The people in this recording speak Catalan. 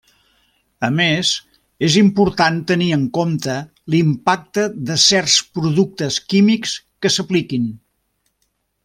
A més, és important tenir en compte l'impacte de certs productes químics que s'apliquin.